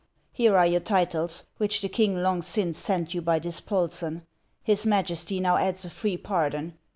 Here are your titles, which the king long since sent you by Dispolseu ; his Majesty now adds a free pardon.